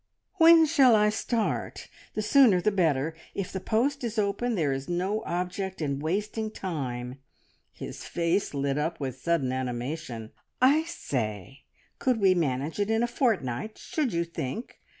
"When shall I start? The sooner the better. If the post is open there is no object in wasting time." His face lit up with sudden animation. "I say! Could we manage it in a fortnight, should you think?